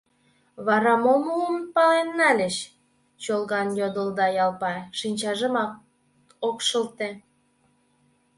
— Вара мом уым пален нальыч? — чолган йодылда Ялпай, шинчажымат ок шылте.